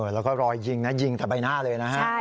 แล้วก็รอยยิงนะยิงแต่ใบหน้าเลยนะฮะ